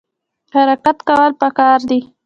حرکت کول پکار دي